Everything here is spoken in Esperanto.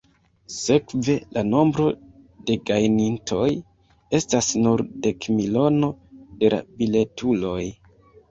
Sekve, la nombro de gajnintoj estas nur dekmilono de la biletuloj!